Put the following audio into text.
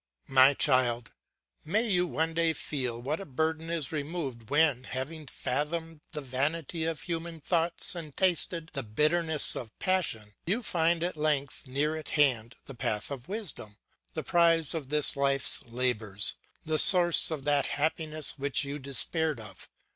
My child! May you one day feel what a burden is removed when, having fathomed the vanity of human thoughts and tasted the bitterness of passion, you find at length near at hand the path of wisdom, the prize of this life's labours, the source of that happiness which you despaired of.